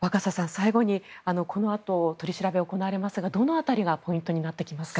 最後にこのあと取り調べが行われますがどの辺りがポイントになってきますか？